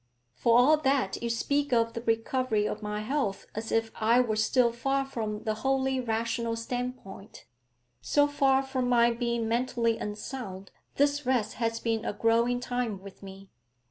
'For all that, you speak of the recovery of my health as if I were still far from the wholly rational stand point. So far from my being mentally unsound, this rest has been a growing time with me.